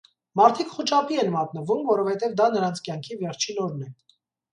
Մարդիկ խուճապի են մատնվում, որովհետև դա նրանց կյանքի վերջին օրն է։